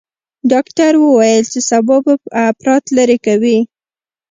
ډاکتر وويل چې سبا به اپرات لرې کوي.